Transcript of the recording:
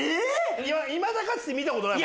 いまだかつて見たことない。